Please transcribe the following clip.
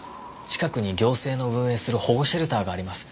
近くに行政の運営する保護シェルターがあります。